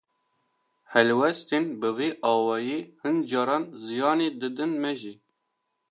Helwestên bi vî awayî, hin caran ziyanê didin me jî.